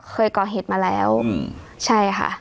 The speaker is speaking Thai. เคยก่อเหตุมาแล้วใช่ค่ะ